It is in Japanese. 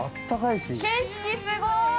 景色すごい！